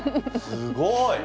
すごい！